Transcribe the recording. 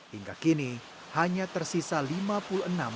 hingga kini hanya tersisa lima puluh enam orang